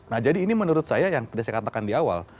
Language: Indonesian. nah jadi ini menurut saya yang tadi saya katakan di awal